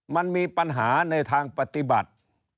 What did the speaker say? มันมีปัญหาในทางปฏิบัติ